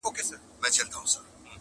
یو د بل به یې سرونه غوڅوله!!